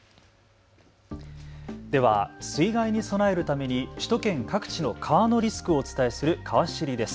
では水害に備えるために首都圏各地の川のリスクをお伝えするかわ知りです。